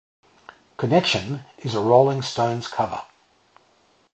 "Connection" is a Rolling Stones cover.